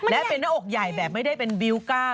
และเป็นหน้าอกใหญ่แบบไม่ได้เป็นบิวก้า